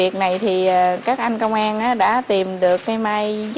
các cá năng